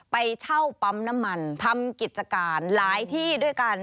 ไปเช่าปั๊มน้ำมันทำกิจการหลายที่ด้วยกัน